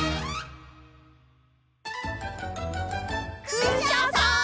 クシャさん！